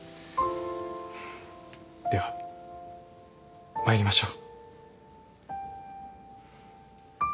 では参りましょう。